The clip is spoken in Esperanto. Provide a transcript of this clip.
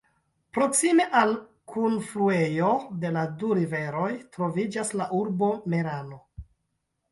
Proksime al kunfluejo de la du riveroj, troviĝas la urbo Merano.